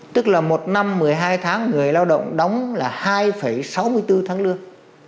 tức là một năm một mươi hai tháng người lao động đóng là hai sáu mươi bốn tháng lương